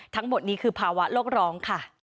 ทั้งหมดนี้คือภาวะโลกร้องค่ะ